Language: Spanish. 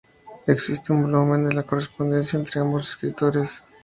Existe un volumen de la correspondencia entre ambos escritores.